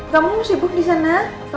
kamu sibuk disana